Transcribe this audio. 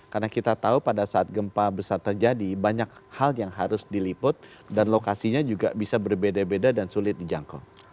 karena kita tahu pada saat gempa besar terjadi banyak hal yang harus diliput dan lokasinya juga bisa berbeda beda dan sulit dijangkau